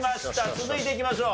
続いていきましょう。